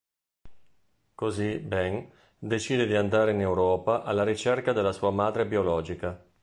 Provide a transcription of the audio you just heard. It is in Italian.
Così, Ben decide di andare in Europa alla ricerca della sua madre biologica.